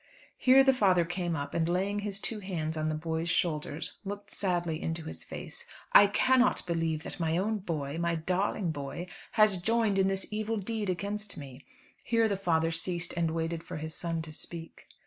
Here the father came up, and laying his two hands on the boy's shoulders looked sadly into his face. "I cannot believe that my own boy, my darling boy, has joined in this evil deed against me!" Here the father ceased and waited for his son to speak.